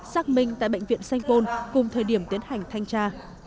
xác minh tại bệnh viện sanh pôn cùng thời điểm tiến hành thanh tra